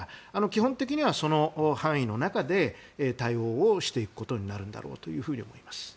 基本的にはその範囲の中で対応をしていくことになるんだろうと思います。